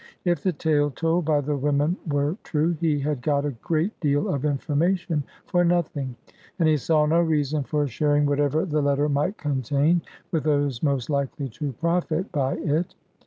If the tale told by the woman were true, he had got a great deal of information for nothing, and he saw no reason for sharing whatever the letter might contain with those most likely to profit by it.